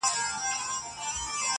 څوک نیژدې نه راښکاریږي؛